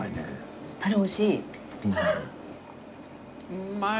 うまい？